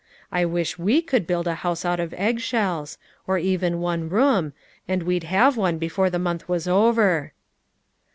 I wish we could build a house out of eggshells ; or even one room, and we'd have one before the month was over."